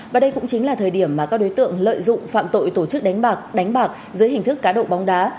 và đây cũng chính là thời điểm mà các đối tượng lợi dụng phạm tội tổ chức đánh bạc đánh bạc dưới hình thức cá độ bóng đá